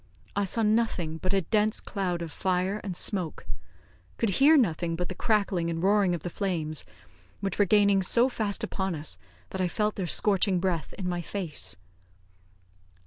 I saw nothing but a dense cloud of fire and smoke could hear nothing but the crackling and roaring of the flames, which were gaining so fast upon us that I felt their scorching breath in my face.